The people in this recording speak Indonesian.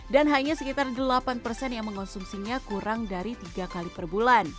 dan hanya sekitar delapan yang mengonsumsinya kurang dari tiga kali per bulan